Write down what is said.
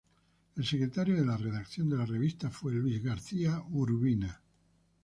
El secretario de redacción de la revista fue Luis G. Urbina.